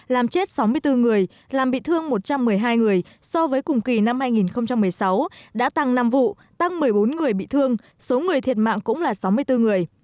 làm chết sáu mươi bốn người làm bị thương một trăm một mươi hai người so với cùng kỳ năm hai nghìn một mươi sáu đã tăng năm vụ tăng một mươi bốn người bị thương số người thiệt mạng cũng là sáu mươi bốn người